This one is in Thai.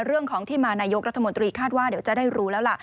เรื่องของที่มานายกรัฐมนตรีคาดว่าเดี๋ยวจะได้รู้แล้วล่ะ